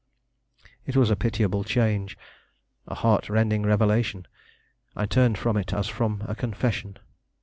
It was a pitiable change; a heart rending revelation! I turned from it as from a confession.